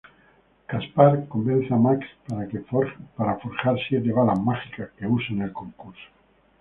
Caspar convence a Max para forjar siete balas mágicas que use en el concurso.